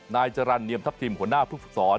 นายจรรย์เนียมทัพทิมหัวหน้าผู้ฝึกศร